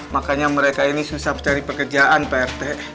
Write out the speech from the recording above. makanya mereka ini susah mencari pekerjaan pak rt